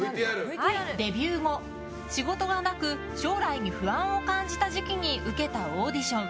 デビュー後、仕事がなく将来に不安を感じた時期に受けたオーディション。